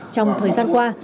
trong thời gian qua